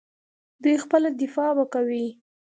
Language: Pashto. دوی خپله دفاع به کوي.